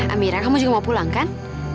amira kamu juga mau pulang kan